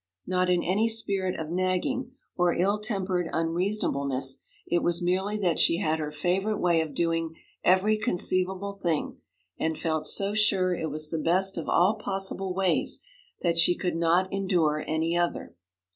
Not in any spirit of nagging, or ill tempered unreasonableness; it was merely that she had her favourite way of doing every conceivable thing, and felt so sure it was the best of all possible ways that she could not endure any other.